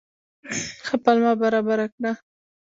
ښه پلمه برابره کړه.